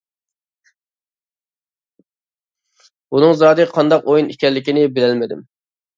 بۇنىڭ زادى قانداق ئويۇن ئىكەنلىكىنى بىلەلمىدىم.